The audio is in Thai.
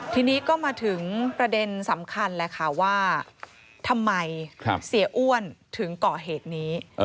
ทีนี้ก็มาถึงประเด็นสำคัญแหละค่ะว่าทำไมเสียอ้วนถึงก่อเหตุนี้